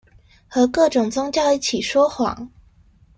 和各種宗教一起說謊